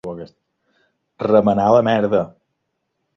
Remenar la merda.